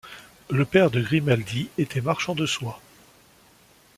Le père de Grimaldi était marchand de soie.